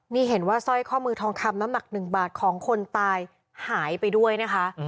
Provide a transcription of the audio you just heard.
นี่เห็นว่าสร้อยข้อมือทองคำน้ำหนัก๑บาทของคนตายหายไปด้วยนะคะ